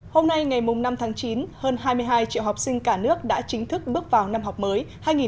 hôm nay ngày năm tháng chín hơn hai mươi hai triệu học sinh cả nước đã chính thức bước vào năm học mới hai nghìn hai mươi hai nghìn hai mươi